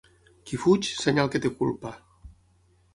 Qui fuig, senyal que té culpa.